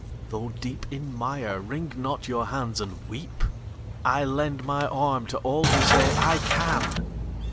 Though deep in mire, wring not your hands and weep; I lend my arm to all who say "I can!"